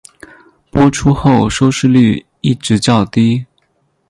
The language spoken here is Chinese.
播出后收视率一直较低。